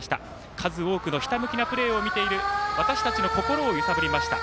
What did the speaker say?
数多くのひたむきなプレーを見ている私たちの心を揺さぶりました。